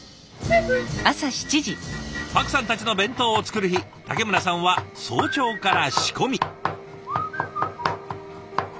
パクさんたちの弁当を作る日竹村さんは早朝から仕込み。